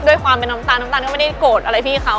ด้วยความเป็นน้ำตาลน้ำตาลก็ไม่ได้โกรธอะไรพี่เขา